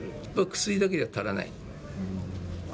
薬だけじゃ足らない。